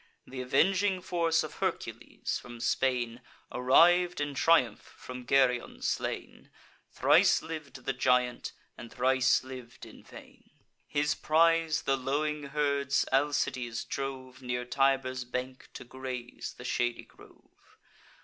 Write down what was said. Th' avenging force of Hercules, from Spain, Arriv'd in triumph, from Geryon slain: Thrice liv'd the giant, and thrice liv'd in vain. His prize, the lowing herds, Alcides drove Near Tiber's bank, to graze the shady grove.